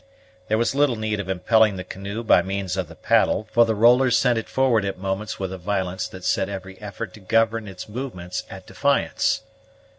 There was little need of impelling the canoe by means of the paddle, for the rollers sent it forward at moments with a violence that set every effort to govern its movements at defiance.